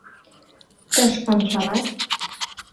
Тыш ончалат